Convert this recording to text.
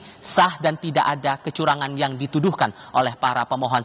ini sah dan tidak ada kecurangan yang dituduhkan oleh para pemohon